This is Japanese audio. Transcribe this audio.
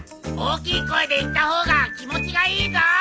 大きい声で言った方が気持ちがいいぞ。